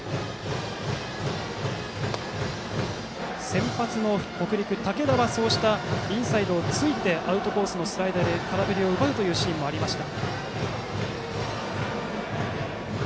先発の北陸、竹田はインサイドを突いてアウトコースのスライダーで空振りを奪うシーンもありました。